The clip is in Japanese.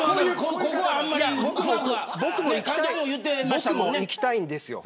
僕もいきたいんですよ。